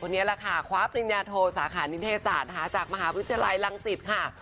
คนนี้แหละค่ะคว้าปริญญาโทสาขานิทศาสตร์จากมหาวิทยาลัยรังสิทธิ์ค่ะ